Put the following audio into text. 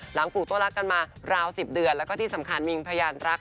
หลังปลูกตัวลักษณ์กันมาราว๑๐เดือนแล้วก็ที่สำคัญมิงพยานรัก